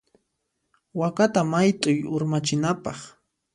Wakata mayt'uy urmachinapaq.